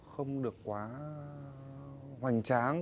không được quá hoành tráng